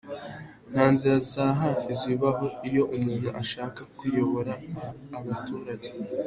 "Nta nzira za hafi zibaho iyo umuntu ashaka kuyobora Abaturage.